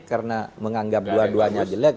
karena menganggap dua duanya jelek